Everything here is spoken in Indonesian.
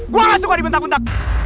gue gak suka dibentak bentak